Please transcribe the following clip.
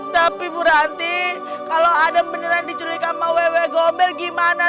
tapi bu ranti kalau adam beneran diculik sama wewe gombel gimana